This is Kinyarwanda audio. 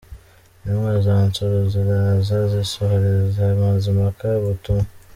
Intumwa za Nsoro ziraza zisohoreza Mazimpaka ubutumwa.